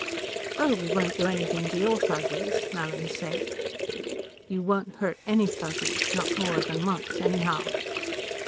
"Oh, we won't do anything to your Fuzzies," Mallin said. "You won't hurt any Fuzzies. Not more than once, anyhow."